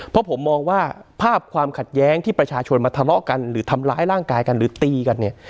เพราะผมมองว่าภาพความขัดแย้งที่ประชาชนมาทะเลาะกันหรือทำร้ายร่างกายกันหรือตีกันเนี่ย